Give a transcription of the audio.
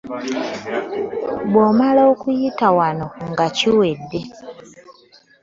Bwe mmala okuyita wano nga kiwedde.